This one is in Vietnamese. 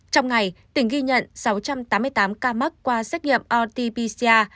trong ngày tỉnh ghi nhận sáu trăm tám mươi tám ca mắc qua xét nghiệm rt pcr